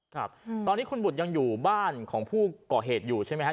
ครับตอนนี้คุณบุตรยังอยู่บ้านของผู้ก่อเหตุอยู่ใช่ไหมครับ